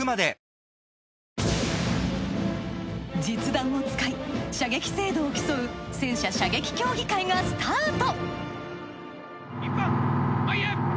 実弾を使い射撃精度を競う戦車射撃競技会がスタート。